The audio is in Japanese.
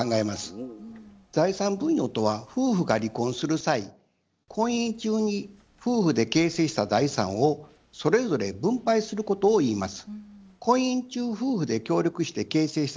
財産分与とは夫婦が離婚する際婚姻中に夫婦で形成した財産をそれぞれ分配することをいいます。